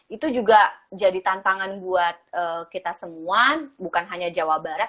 itu juga jadi tantangan buat kita semua bukan hanya jawa barat